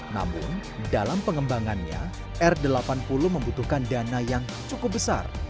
namun dalam pengembangannya r delapan puluh membutuhkan dana yang cukup besar